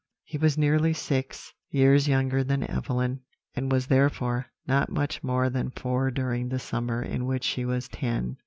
"He was nearly six years younger than Evelyn, and was, therefore, not much more than four during the summer in which she was ten.